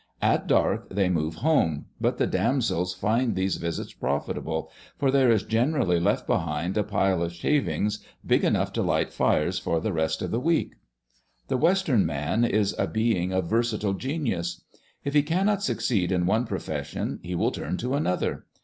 At dark they move home, but the damsels find these visits profitable, for there is generally left behind a pile of shavings big enough to light fires for the rest of the week. The Western man is a being of versatile genius. If he cannot succeed in one profession he will turn to another.